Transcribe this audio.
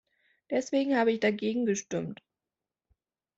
Deswegen habe ich dagegen gestimmt.